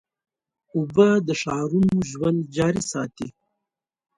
اوبه د ښارونو ژوند جاري ساتي.